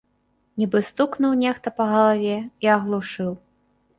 Нібы стукнуў нехта па галаве і аглушыў.